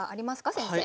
先生。